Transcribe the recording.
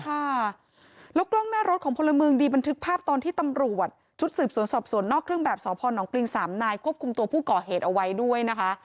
ค่ะแล้วกล้องหน้ารถของพลเมืองดีบันทึกภาพตอนที่ตำรวจชุดสืบสวนสอบสวนนอกเครื่องแบบสพนปริงสามนายควบคุมตัวผู้ก่อเหตุเอาไว้ด้วยนะคะ